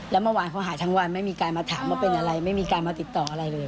แล้วเมื่อวานเขาหาทั้งวันไม่มีการมาถามว่าเป็นอะไรไม่มีการมาติดต่ออะไรเลย